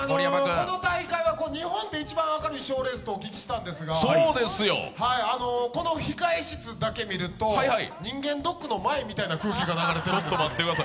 この大会は日本でいちばん明るい賞レースとおききしたんですがこの控え室だけ見ると、人間ドックの前みたいな雰囲気が漂ってます。